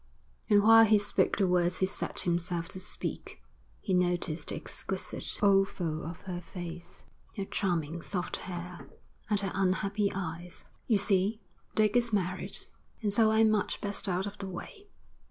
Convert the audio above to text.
And while he spoke the words he set himself to speak, he noticed the exquisite oval of her face, her charming, soft hair, and her unhappy eyes. 'You see, Dick is married, and so I'm much best out of the way.